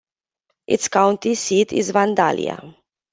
Its county seat is Vandalia.